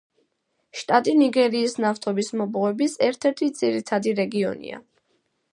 შტატი ნიგერიის ნავთობის მოპოვების ერთ-ერთი ძირითადი რეგიონია.